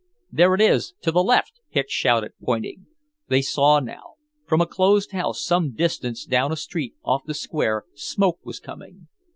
"There it is, to the left!" Hicks shouted, pointing. They saw now. From a closed house, some distance down a street off the square, smoke was coming.